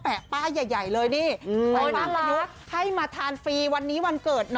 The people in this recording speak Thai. แล้วแปะกล้ายปากใหม่ใหม่ใหญ่เลย